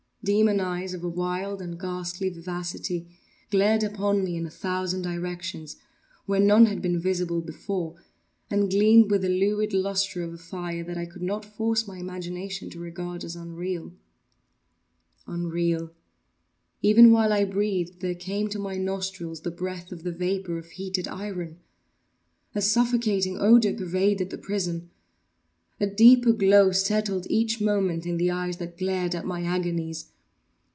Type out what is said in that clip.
Demon eyes, of a wild and ghastly vivacity, glared upon me in a thousand directions, where none had been visible before, and gleamed with the lurid lustre of a fire that I could not force my imagination to regard as unreal. Unreal!—Even while I breathed there came to my nostrils the breath of the vapour of heated iron! A suffocating odour pervaded the prison! A deeper glow settled each moment in the eyes that glared at my agonies!